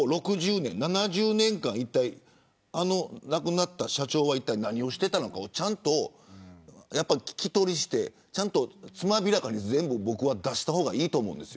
７０年間、亡くなった社長はいったい何をしていたのかちゃんと聞き取りをしてつまびらかに全部出した方がいいと思うんです。